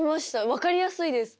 分かりやすいです。